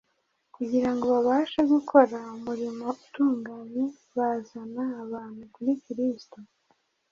kugira ngo babashe gukora umurimo utunganye bazana abantu kuri Kristo